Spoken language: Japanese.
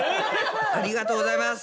ありがとうございます。